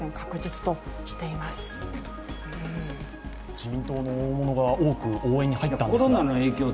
自民党の大物が多く応援に入ったんですが。